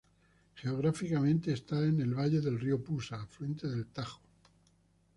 Geográficamente está en el valle del río Pusa, afluente del Tajo.